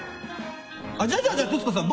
じゃあじゃあじゃあ徹子さん